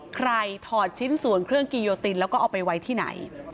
ถอดชิ้นส่วนเครื่องกิโยตินแล้วก็เอาไปไว้ที่ไหน